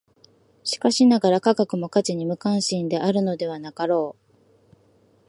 しかしながら、科学も価値に無関心であるのではなかろう。